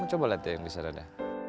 kamu coba liat ya yang bisa dada